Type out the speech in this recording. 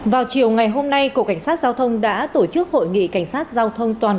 vào chiều ngày hôm nay cục cảnh sát giao thông đã tổ chức hội nghị cảnh sát giao thông toàn